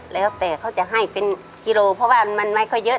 แล้วแต่เขาจะให้เป็นกิโลเพราะว่ามันไม่ค่อยเยอะ